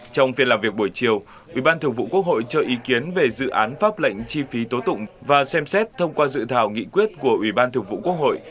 trong phiên làm việc buổi chiều ủy ban thường vụ quốc hội cho ý kiến về dự án pháp lệnh chi phí tố tụng và xem xét thông qua dự thảo nghị quyết của ủy ban thường vụ quốc hội